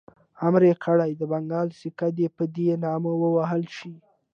امر یې کړی د بنګال سکه دي په ده نامه ووهل شي.